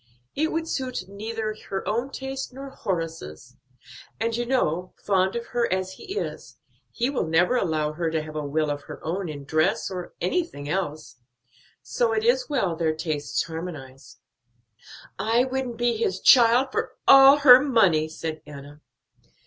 It would suit neither her own taste nor Horace's; and you know, fond of her as he is, he will never allow her to have a will of her own in dress or anything else. So it is well their tastes harmonize." "I wouldn't be his child for all her money," said Enna.